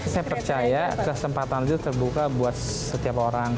saya percaya kesempatan itu terbuka buat setiap orang